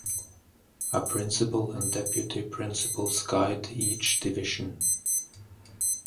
A principal and deputy principals guide each division.